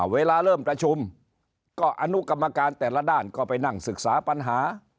เวลาเริ่มประชุมก็อนุกรรมการแต่ละด้านก็ไปนั่งศึกษาปัญหา